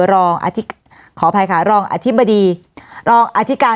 วันนี้แม่ช่วยเงินมากกว่า